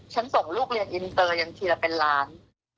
ส่งลูกเรียนอินเตอร์ยังทีละเป็นล้าน